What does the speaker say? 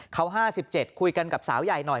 เขา๕๗คุยกันกับสาวใหญ่หน่อย